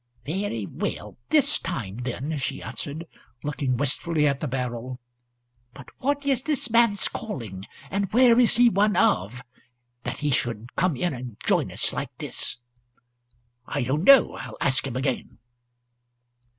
"Very well this time, then," she answered, looking wistfully at the barrel. "But what is the man's calling, and where is he one of, that he should come in and join us like this?" "I don't know. I'll ask him again."